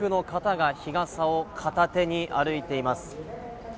街を歩く方、多くの方が日傘を片手に歩いています。